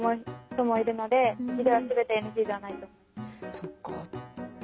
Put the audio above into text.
そっか。